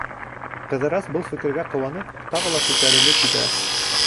Ҡыҙырас, был фекергә ҡыуанып, тағы ла күтәрелеп китә: